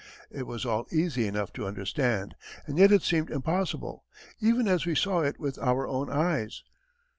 It was all easy enough to understand, and yet it seemed impossible, even as we saw it with our own eyes.